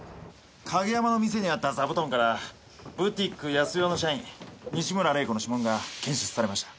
景山の店にあった座布団からブティック康代の社員西村玲子の指紋が検出されました。